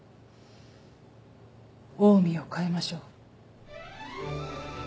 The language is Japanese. オウミを変えましょう。